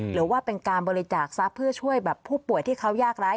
หรือว่าเป็นการบริจาคทรัพย์เพื่อช่วยแบบผู้ป่วยที่เขายากร้าย